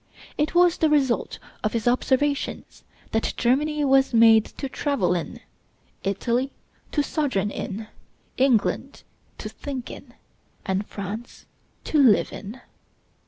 It was the result of his observations that Germany was made to travel in, Italy to sojourn in, England to think in, and France to live in.